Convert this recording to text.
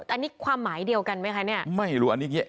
อันนี้ความหมายเดียวกันไหมคะเนี่ย